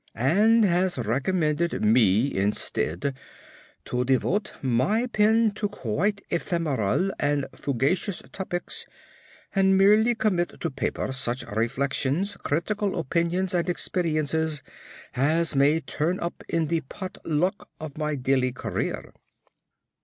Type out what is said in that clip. and has recommended me instead to devote my pen to quite ephemeral and fugacious topics, and merely commit to paper such reflections, critical opinions, and experiences as may turn up in the potluck of my daily career.